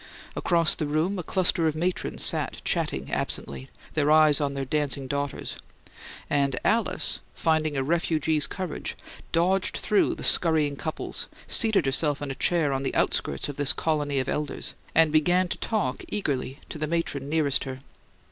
Across the room, a cluster of matrons sat chatting absently, their eyes on their dancing daughters; and Alice, finding a refugee's courage, dodged through the scurrying couples, seated herself in a chair on the outskirts of this colony of elders, and began to talk eagerly to the matron nearest her.